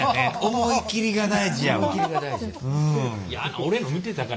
思い切りが大事ですね。